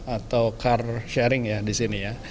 atau car sharing di sini